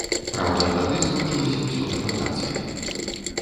Праўда, тады скончылася ўсё дэпартацыяй.